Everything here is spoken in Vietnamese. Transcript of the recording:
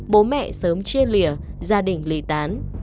bố mẹ sớm chia lỉa gia đình lì tán